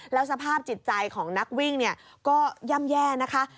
แล้วสภาพจิตใจของนักวิ่งเนี่ยก็ย่ำแย่นะคะ